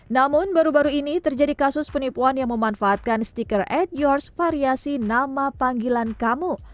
namun baru baru ini terjadi kasus penipuan yang memanfaatkan stiker ad yours variasi nama panggilan kamu